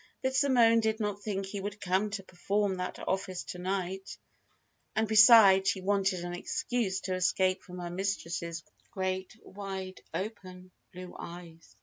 But Simone did not think he would come to perform that office to night; and besides, she wanted an excuse to escape from her mistress's great, wide open blue eyes.